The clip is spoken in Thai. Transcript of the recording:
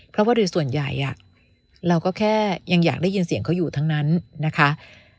เพราะว่าโดยส่วนใหญ่เราก็แค่ยังอยากได้ยินเสียงเขาอยู่ทั้งนั้นนะคะ